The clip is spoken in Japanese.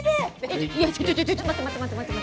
ちょちょちょちょ待って待って待って待って。